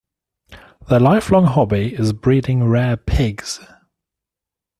Their lifelong hobby is breeding rare pigs.